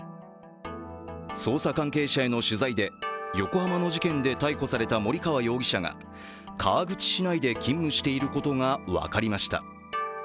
捜査関係者への取材で、横浜の事件で逮捕された森川容疑者が川口市内で勤務していることが分かりました。